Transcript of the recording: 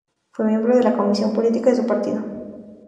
Fue miembro de la Comisión Política de su Partido.